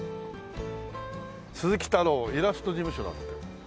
「鈴木太郎イラスト事務所」だって。